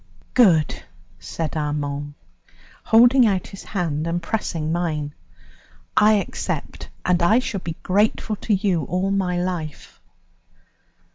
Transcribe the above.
"Good," said Armand, holding out his hand and pressing mine; "I accept, and I shall be grateful to you all my life."